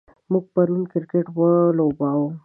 موږ پرون کرکټ ولوباوه.